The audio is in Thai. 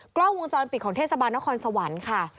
กล้องวงจรปิดของเทศบาลนครสวรรค์ค่ะ